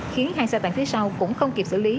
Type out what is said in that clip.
khiến hai xe vàng phía sau cũng không kịp xử lý